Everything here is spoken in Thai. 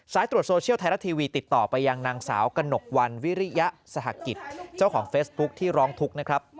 ตรวจโซเชียลไทยรัฐทีวีติดต่อไปยังนางสาวกระหนกวันวิริยสหกิจเจ้าของเฟซบุ๊คที่ร้องทุกข์นะครับ